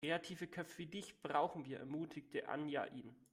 Kreative Köpfe wie dich brauchen wir, ermutigte Anja ihn.